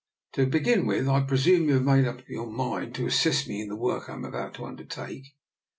To begin with, I presume you have made up your mind to assist me in the work I am about to under take?